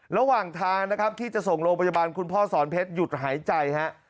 ระหว่างทางนะครับที่จะส่งโรงพยาบาลคุณพ่อสอนเพชรหยุดหายใจฮะ